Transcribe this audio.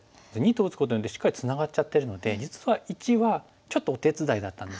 ②と打つことによってしっかりツナがっちゃってるので実は①はちょっとお手伝いだったんですね。